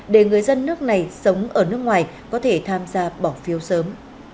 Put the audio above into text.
để người dân nước này sống ở nước ngoài có thể tham gia bỏ phiếu sớm